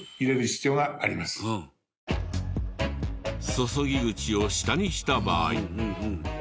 注ぎ口を下にした場合。